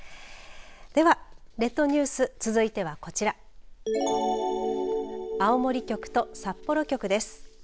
では列島ニュース続いてはこちら青森局と札幌局です。